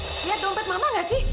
lihat dompet mama gak sih